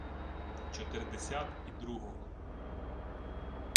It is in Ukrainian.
— Чотирдесять і другого...